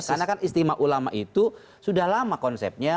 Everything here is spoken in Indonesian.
karena kan istimewa ulama itu sudah lama konsepnya